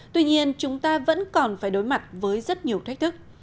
tuy nhiên chúng ta vẫn còn phải đối mặt với rất nhiều thách thức